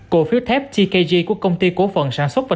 cổ phiếu thép tkg của công ty cố phận sản xuất vật chất